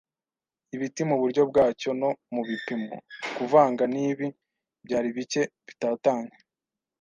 ibiti muburyo bwacyo no mubipimo. Kuvanga nibi byari bike bitatanye